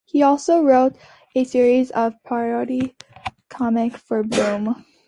He also wrote a series of parody comics for Boom!